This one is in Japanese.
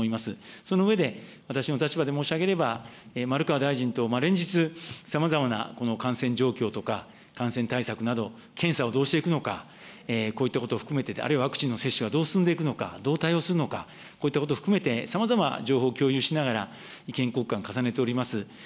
その上で、私の立場で申し上げれば、丸川大臣と連日さまざまなこの感染状況とか、感染対策など、検査をどうしていくのか、こういったことを含めて、あるいはワクチンの接種はどう進んでいくのか、どう対応するのか、こういったことを含めて、さまざま情報を共有しながら意見交換重ねております。